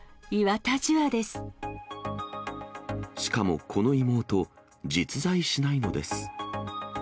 しかもこの妹、実在しないのです。